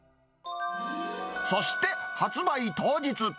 そして発売当日。